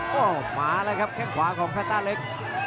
โอ้โหมาแล้วครับแค่งขวาของแพนต้าเล็ก